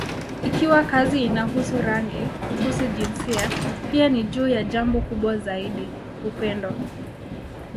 Ikiwa kazi inahusu rangi, kuhusu jinsia, pia ni juu ya jambo kubwa zaidi: upendo.